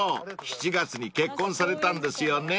［７月に結婚されたんですよね］